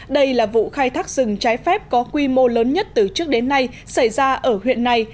đây là vụ khai thác rừng trái phép có quy mô lớn nhất từ trước đến nay xảy ra ở huyện này